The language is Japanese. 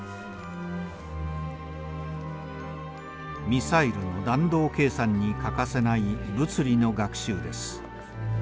ミサイルの弾道計算に欠かせない物理の学習です。